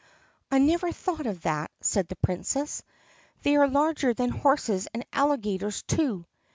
"I had never thought of that," said the Princess. "They are larger than horses and alligators too.